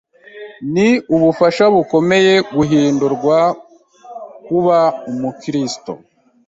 Ni ubufasha bukomeye guhindurwa kuba umukristo,